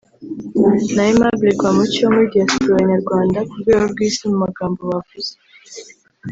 na Aimable Rwamucyo wo muri Diaspora Nyarwanda ku rwego rw’isi mu magambo bavuze